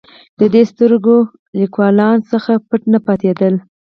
د دې سترګور لیکوالانو څخه پټ نه پاتېدل.